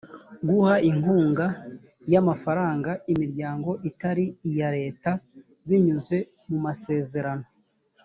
guha inkunga y amafaranga imiryango itari iya leta binyuze mu masezerano